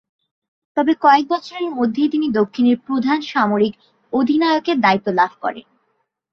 তবে কয়েক বৎসরের মধ্যেই তিনি দক্ষিণের প্রধান সামরিক অধিনায়কের দায়িত্ব লাভ করেন।